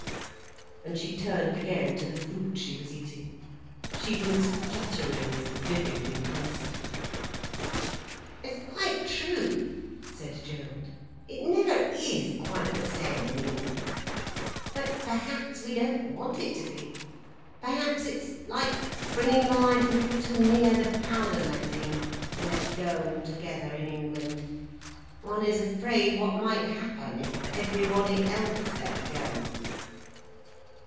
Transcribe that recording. And she turned again to the food she was eating. She was fluttering with vivid intensity. "It's quite true," said Gerald, "it never is quite the same in England. But perhaps we don't want it to be—perhaps it's like bringing the light a little too near the powder magazine, to let go altogether, in England. One is afraid what might happen, if everybody else let go."